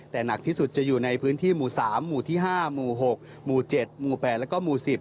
แต่หนักที่สุดจะอยู่ในพื้นที่หมู่๓หมู่ที่๕หมู่๖หมู่๗หมู่๘แล้วก็หมู่๑๐